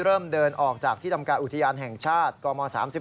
เริ่มเดินออกจากที่ทำการอุทยานแห่งชาติกม๓๑